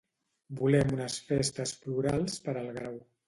Volem unes festes plurals per al Grau.